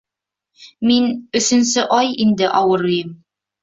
Мин өсөнсө ай инде ауырыйым.